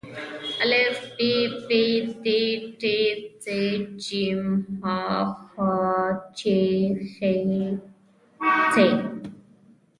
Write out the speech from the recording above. آا ب پ ت ټ ث ج ح چ خ څ